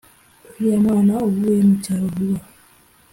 Uriya mwana avuye mu cyaro vuba